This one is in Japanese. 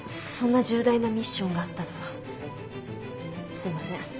そんな重大なミッションがあったとはすみません。